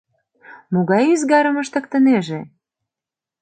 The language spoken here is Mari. — Могай ӱзгарым ыштыктынеже?